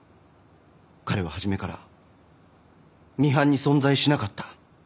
彼は初めからミハンに存在しなかった。